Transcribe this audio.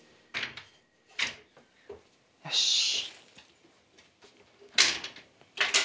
よし。